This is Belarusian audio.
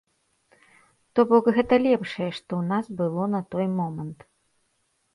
То бок, гэта лепшае, што ў нас было на той момант.